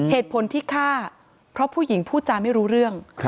เหตุผลที่ฆ่าเพราะผู้หญิงพูดจาไม่รู้เรื่อง